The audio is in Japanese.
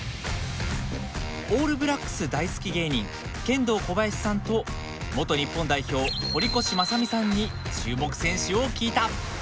オールブラックス大好き芸人ケンドーコバヤシさんと元日本代表堀越正己さんに注目選手を聞いた。